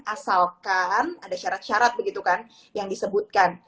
asalkan ada syarat syarat begitu kan yang disebutkan